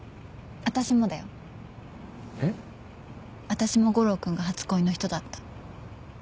私も悟郎君が初恋の人だった。